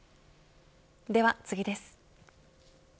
では次です。